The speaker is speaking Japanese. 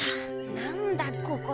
なんだここ。